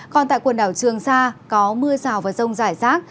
còn tại quần ảo trường sa có mưa rào và sông rải rác